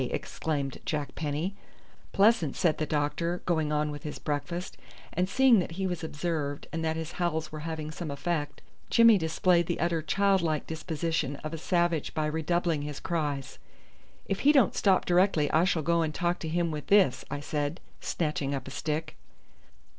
exclaimed Jack Penny. "Pleasant," said the doctor, going on with his breakfast; and seeing that he was observed, and that his howls were having some effect, Jimmy displayed the utter childlike disposition of a savage by redoubling his cries. "If he don't stop directly I shall go and talk to him with this," I said, snatching up a stick.